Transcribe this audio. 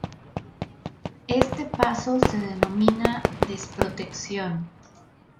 Este paso se denomina desprotección.